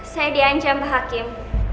saya diancam pak hakim